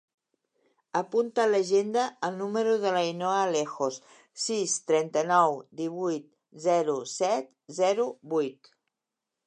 Apunta a l'agenda el número de l'Ainhoa Alejos: sis, trenta-nou, divuit, zero, set, zero, vuit.